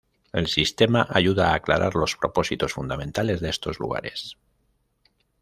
El Sistema ayuda a aclarar los propósitos fundamentales de estos lugares.